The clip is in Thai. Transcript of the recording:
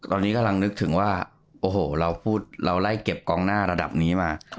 ตอนนี้กำลังนึกถึงว่าโอ้โหเราไล่เก็บกองหน้าระดับนี้มา